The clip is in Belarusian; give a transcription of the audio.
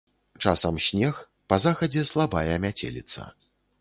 Часам снег, па захадзе слабая мяцеліца.